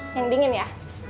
yang dingin ya